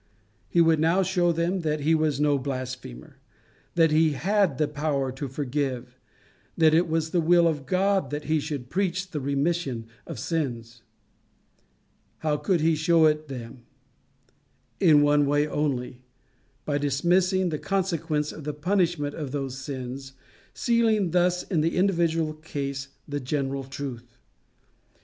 He would now show them that he was no blasphemer; that he had the power to forgive, that it was the will of God that he should preach the remission of sins. How could he show it them? In one way only: by dismissing the consequence, the punishment of those sins, sealing thus in the individual case the general truth.